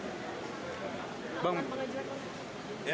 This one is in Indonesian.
dilakukan oleh polda metro jaya